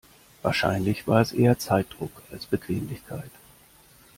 Wahrscheinlich war es eher Zeitdruck als Bequemlichkeit.